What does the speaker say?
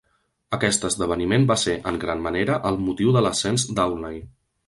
Aquest esdeveniment va ser, en gran manera, el motiu de l'ascens d'Aulnay.